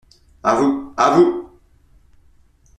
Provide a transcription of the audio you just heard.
A vous, à vous !…